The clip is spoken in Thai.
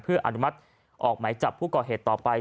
เพื่ออนุมัติออกหมายจับผู้ก่อเหตุต่อไป